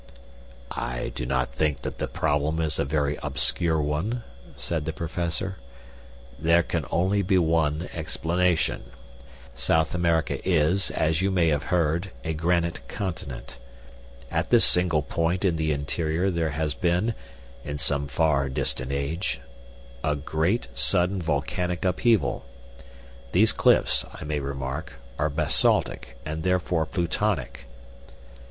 "I do not think that the problem is a very obscure one," said the Professor; "there can only be one explanation. South America is, as you may have heard, a granite continent. At this single point in the interior there has been, in some far distant age, a great, sudden volcanic upheaval. These cliffs, I may remark, are basaltic, and therefore plutonic.